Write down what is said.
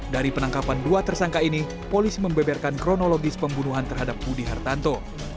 dari penangkapan dua tersangka ini polisi membeberkan kronologis pembunuhan terhadap budi hartanto